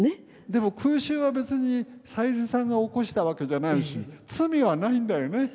でも空襲は別に小百合さんが起こしたわけじゃないし罪はないんだよね。